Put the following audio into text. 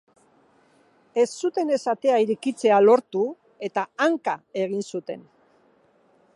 Ez zutenez atea irekitzea lortu, eta hanka egin zuten.